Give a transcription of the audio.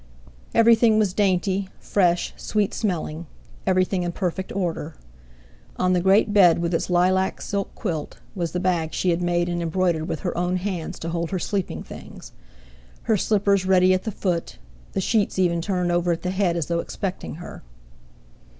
Everything was dainty, fresh, sweet smelling; everything in perfect order. On the great bed with its lilac silk quilt, was the bag she had made and embroidered with her own hands to hold her sleeping things; her slippers ready at the foot; the sheets even turned over at the head as though expecting her.